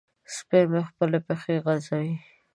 سپی مې خپلې پښې غځوي.